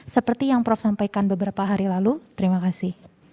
seperti yang prof sampaikan beberapa hari lalu terima kasih